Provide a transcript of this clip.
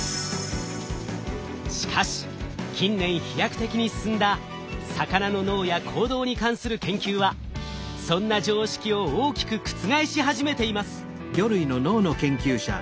しかし近年飛躍的に進んだ魚の脳や行動に関する研究はそんな常識を大きく覆し始めています。